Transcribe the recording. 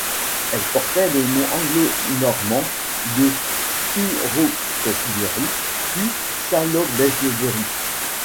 Elle portait le nom anglo-normand de Sciropesberie puis Salopesberie.